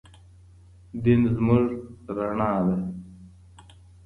دين زموږ رڼا ده.